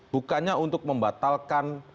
bukannya untuk membatalkan